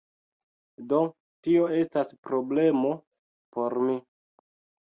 Do, tio estas problemo por mi